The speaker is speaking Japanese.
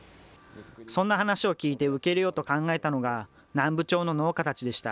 そんな話を聞いて受け入れようと考えたのが、南部町の農家たちでした。